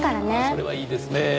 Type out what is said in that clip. それはいいですねぇ。